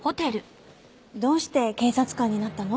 どうして警察官になったの？